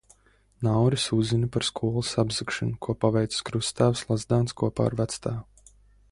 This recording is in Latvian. Nauris uzzina par skolas apzagšanu, ko paveicis krusttēvs Lazdāns kopā ar vectēvu.